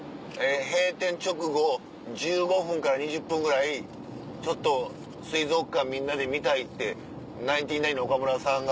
閉店直後１５分から２０分ぐらいちょっと水族館みんなで見たいってナインティナインの岡村さんが。